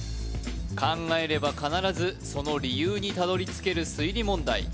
考えれば必ずその理由にたどり着ける推理問題